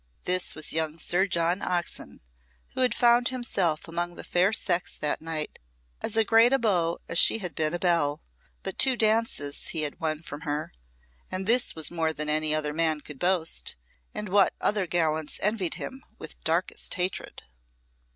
This was young Sir John Oxon, who had found himself among the fair sex that night as great a beau as she had been a belle; but two dances he had won from her, and this was more than any other man could boast, and what other gallants envied him with darkest hatred.